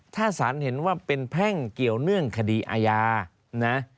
ถ้าสารเห็นว่าเป็นแพ่งเกี่ยวเนื่องคดีอาญานะ